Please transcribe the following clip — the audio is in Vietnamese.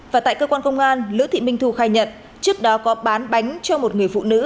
và tại cơ quan công an lữ thị minh thu khai nhận trước đó có bán bánh cho một người phụ nữ